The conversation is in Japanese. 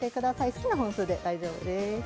好きな本数で大丈夫です。